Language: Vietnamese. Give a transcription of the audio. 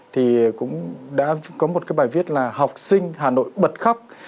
thì cũng đã có một cái bài viết là học sinh hà nội bật khóc